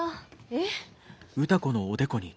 えっ？